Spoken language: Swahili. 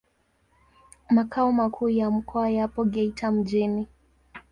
Makao makuu ya mkoa yapo Geita mjini.